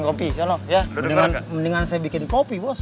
kopi kalau ya mendingan saya bikin kopi bos